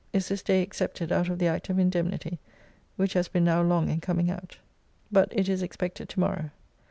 ] is this day excepted out of the Act of Indemnity, which has been now long in coming out, but it is expected to morrow.